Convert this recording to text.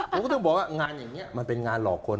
ผมก็ต้องบอกว่างานอย่างนี้มันเป็นงานหลอกคน